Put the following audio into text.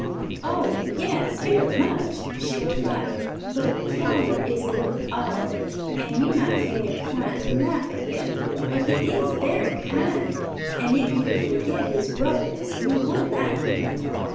"Oh, yes, very much," she replied; "but father is a little odd, and you might feel inclined to laugh at him; but he is very kind, and if you could forget his roughness, you would like him."